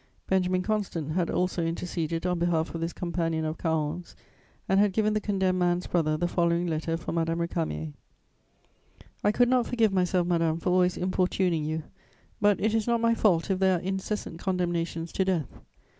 Benjamin Constant had also interceded on behalf of this companion of Caron's, and had given the condemned man's brother the following letter for Madame Récamier: "I could not forgive myself, madame, for always importuning you, but it is not my fault if there are incessant condemnations to death.